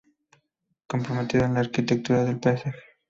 Comprometido con la Arquitectura del Paisaje.